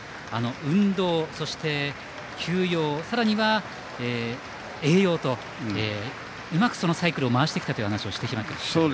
運動、そして休養さらには栄養とうまくそのサイクルを回してきたという話を聞きました。